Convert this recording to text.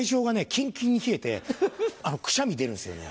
キンキンに冷えてくしゃみ出るんですよね。